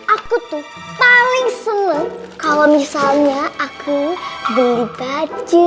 aku tuh paling seneng kalau misalnya aku beli baju